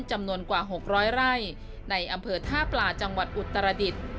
จำนวนกว่า๖๐๐ไร่ในอำเภอท่าปลาจังหวัดอุตรดิษฐ์